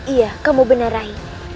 iya kamu benar rai